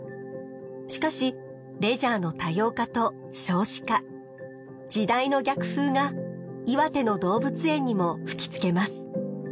しかしレジャーの多様化と少子化時代の逆風が岩手の動物園にも吹き付けます。